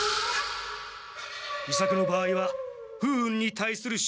伊作の場合は不運に対する勝負だ。